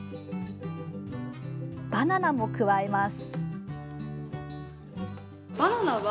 バナナも加えます。